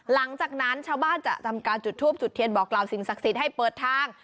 หลังจากนั้นชาวบ้านจะทำการจุดทูปจุดเทียนบอกกล่าวสิ่งศักดิ์สิทธิ์ให้เปิดทาง